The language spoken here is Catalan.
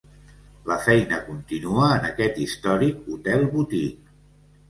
La feina continua en aquest històric hotel boutique.